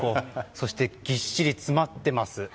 そして、ぎっしり詰まっています。